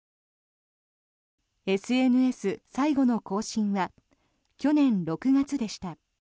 ＳＮＳ最後の更新は去年６月でした。